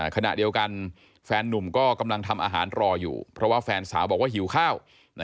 ขณะเดียวกันแฟนนุ่มก็กำลังทำอาหารรออยู่เพราะว่าแฟนสาวบอกว่าหิวข้าว